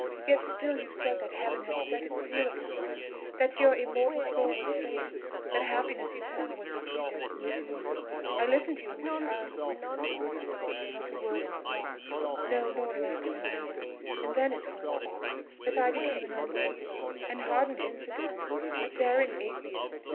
Yet still you said that Heaven had set its seal upon you, that your immortal soul was safe, that happiness eternal was your predestined doom. I listened to you as a child listens to a father; not a word was lost; no, nor an action either. And then it was, father, that I became an unbeliever! an hardened infidel! a daring atheist!